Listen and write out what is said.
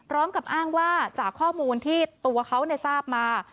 พร้อมกับอ้างว่าจากข้อมูลที่ตัวเขาทราบมา